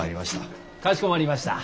かしこまりました。